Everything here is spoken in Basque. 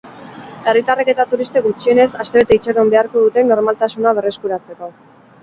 Herritarrek eta turistek gutxienez astebete itxaron beharko dute normaltasuna berreskuratzeko.